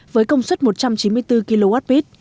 với công suất một trăm chín mươi bốn kwh